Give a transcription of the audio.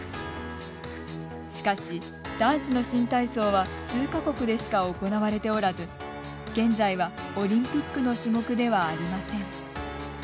しかし、男子の新体操は数か国でしか行われておらず現在はオリンピックの種目ではありません。